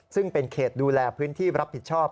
ซึ่งเป็นเขตดูแลพื้นที่รับผิดชอบ